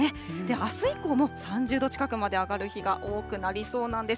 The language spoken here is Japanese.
あす以降も３０度近くまで上がる日が多くなりそうなんです。